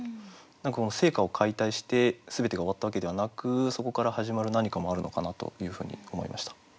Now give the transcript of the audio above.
何かこの生家を解体して全てが終わったわけではなくそこから始まる何かもあるのかなというふうに思いました。